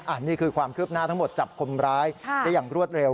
อันนี้คือความคืบหน้าทั้งหมดจับคนร้ายได้อย่างรวดเร็ว